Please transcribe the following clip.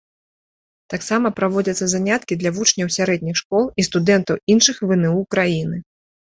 Таксама праводзяцца заняткі для вучняў сярэдніх школ і студэнтаў іншых вну краіны.